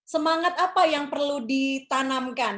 semangat apa yang perlu ditanamkan